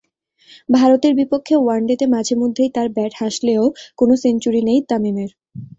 ভারতের বিপক্ষে ওয়ানডেতে মাঝে মধ্যেই তাঁর ব্যাট হাসলেও কোনো সেঞ্চুরি নেই তামিমের।